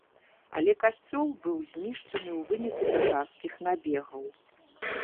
Але касцёл быў знішчаны ў выніку татарскіх набегаў.